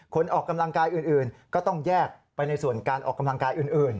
ออกกำลังกายอื่นก็ต้องแยกไปในส่วนการออกกำลังกายอื่น